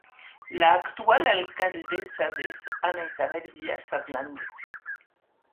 La actual alcaldesa es Ana Isabel Díaz Fernández.